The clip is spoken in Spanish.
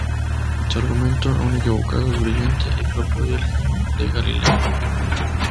Su argumento, aún equivocado, es brillante y propio del genio de Galileo.